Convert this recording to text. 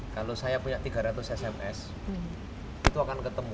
kalau saya punya tiga ratus sms itu akan ketemu